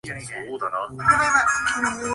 多くの方々に届けることができた